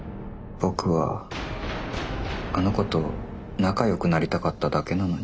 僕はあの子と仲よくなりたかっただけなのに。